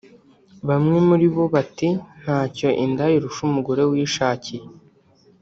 Bamwe muri bo bati “Ntacyo indaya irusha umugore wishakiye